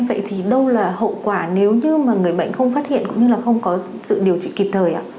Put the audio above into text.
vậy thì đâu là hậu quả nếu như người bệnh không phát hiện cũng như không có sự điều trị kịp thời